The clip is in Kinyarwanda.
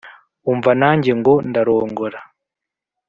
Umva nanjye ngo ndarongora